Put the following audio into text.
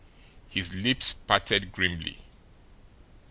His lips parted grimly.